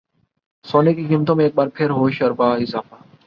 سونے کی قیمتوں میں ایک بار پھر ہوشربا اضافہ